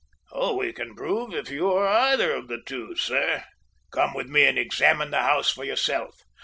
"We can soon prove if you are either of the two, sir. Come with me and examine the house for yourself."